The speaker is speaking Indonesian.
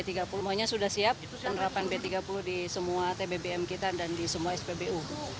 semuanya sudah siap penerapan b tiga puluh di semua tbbm kita dan di semua spbu